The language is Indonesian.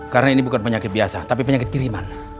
karena ini bukan penyakit biasa tapi penyakit kiriman